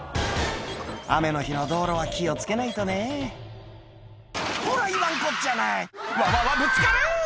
雨の日の道路は気を付けないとねほら言わんこっちゃないうわわぶつかる！